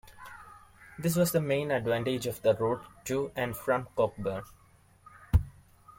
This was the main advantage of the route to and from Cockburn.